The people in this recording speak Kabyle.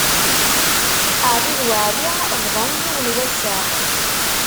Ɛli d Weɛli bḍan yiwen wassaɣ.